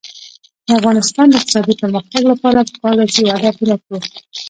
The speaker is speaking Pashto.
د افغانستان د اقتصادي پرمختګ لپاره پکار ده چې وعده پوره کړو.